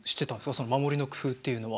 その守りの工夫っていうのは。